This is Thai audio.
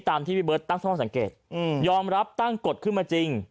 ตามที่พี่เบิร์ตตั้งข้อสังเกตยอมรับตั้งกฎขึ้นมาจริง